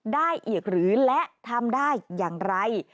ได้อีกหรือและทำได้อย่างไร